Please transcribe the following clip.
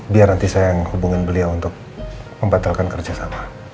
biar nanti saya yang hubungin beliau untuk membatalkan kerjasama